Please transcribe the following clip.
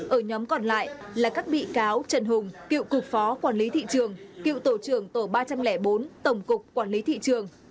ở nhóm còn lại là các bị cáo trần hùng cựu cục phó quản lý thị trường cựu tổ trưởng tổ ba trăm linh bốn tổng cục quản lý thị trường